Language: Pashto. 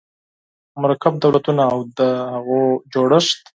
مرکب دولتونه او د هغوی جوړښت